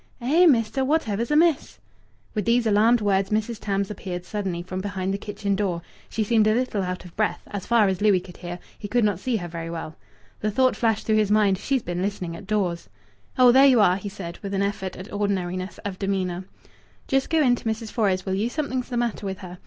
"Eh, mester, what ever's amiss?" With these alarmed words Mrs. Tams appeared suddenly from behind the kitchen door; she seemed a little out of breath, as far as Louis could hear; he could not see her very well. The thought flashed through his mind. "She's been listening at doors." "Oh! There you are," he said, with an effort at ordinariness of demeanour. "Just go in to Mrs. Fores, will you? Something's the matter with her.